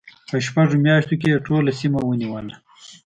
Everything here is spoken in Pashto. په شپږو میاشتو کې یې ټوله سیمه ونیوله.